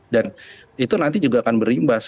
dan itu nanti juga akan berimbas